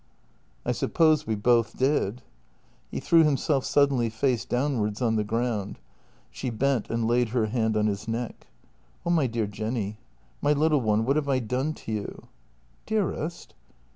" I suppose we both did." He threw himself suddenly face downwards on the ground. She bent and laid her hand on his neck. " Oh, my dear Jenny — my little one — what have I done to you?" " Dearest.